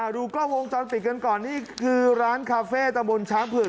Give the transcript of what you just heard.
ดูกล้องวงจรปิดกันก่อนนี่คือร้านคาเฟ่ตะบนช้างเผือก